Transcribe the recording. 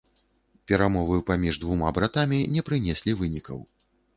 Перамовы паміж двума братамі не прынеслі вынікаў.